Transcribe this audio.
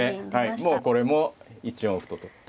もうこれも１四歩と取って。